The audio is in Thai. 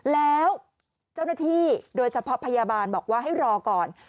แล้วเจ้าหน้าที่โดยเฉพาะพยาบาลบอกว่าให้รอก่อน